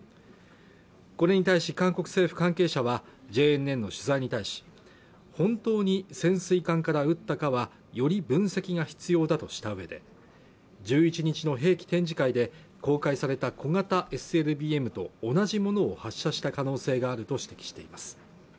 これに対し韓国政府関係者はＪＮＮの取材に対し本当に潜水艦から撃ったかはより分析が必要だとしたうえで１１日の兵器展示会で公開された小型ＳＬＢＭと同じものを発射した可能性があると指摘しています